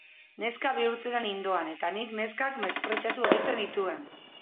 Neska bihurtzera nindoan eta nik neskak mespretxatu egiten nituen!